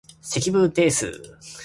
積分定数